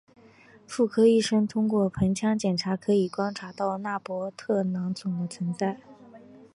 妇科医生通过盆腔检查可以观察到纳博特囊肿的存在。